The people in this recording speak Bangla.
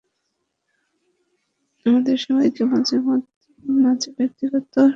আমাদের সবাইকেই মাঝেমাঝে ব্যক্তিগত ব্যাপারস্যাপার সামাল দিতে হয়।